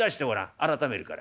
改めるから」。